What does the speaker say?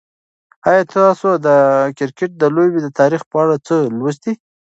آیا تاسو د کرکټ د لوبې د تاریخ په اړه څه لوستي؟